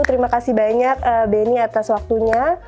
terima kasih banyak benny atas waktunya